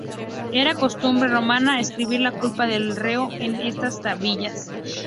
Era costumbre romana escribir la culpa del reo en estas tablillas.